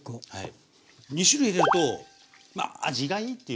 ２種類入れるとまあ味がいいっていうか